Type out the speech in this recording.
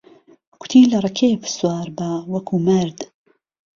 کوتی لە ڕکێف سوار به وهکوو مەرد